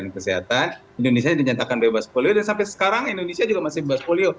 kesehatan indonesia dinyatakan bebas polio dan sampai sekarang indonesia juga masih bebas polio